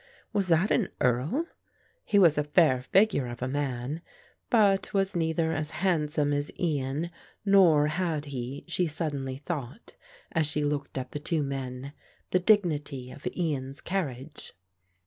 Was that an Earl? He was a fair figure of a man, but was neither as handsome as Ian nor had he, she suddenly thought, as she looked at the two men, the dignity of Ian's carriage.